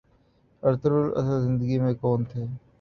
Ertugrul اصل زندگی میں کون تھے